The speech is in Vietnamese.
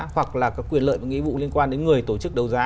hoặc là có quyền lợi và nghĩa vụ liên quan đến người tổ chức đấu giá